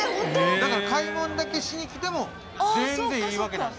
だから買い物だけしに来ても全然いいわけなんです。